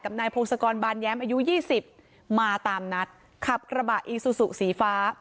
นายพงศกรบานแย้มอายุยี่สิบมาตามนัดขับกระบะอีซูซูสีฟ้า